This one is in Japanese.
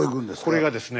これがですね